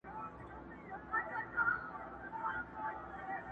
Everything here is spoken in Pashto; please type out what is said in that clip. او تحليل کيږي،